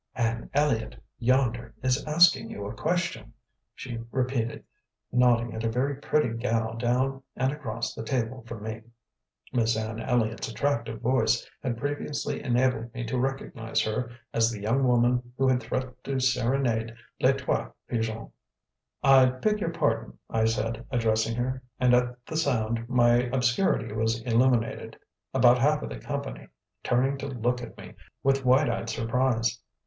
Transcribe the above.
"Anne Elliott, yonder, is asking you a question," she repeated, nodding at a very pretty gal down and across the table from me. Miss Anne Elliott's attractive voice had previously enabled me to recognise her as the young woman who had threatened to serenade Les Trois Pigeons. "I beg your pardon," I said, addressing her, and at the sound my obscurity was illuminated, about half of the company turning to look at me with wide eyed surprise.